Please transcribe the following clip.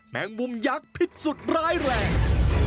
แมงมุมยักษ์พิษสุดร้ายแรง